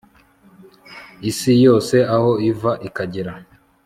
isi yose, aho iva ikagera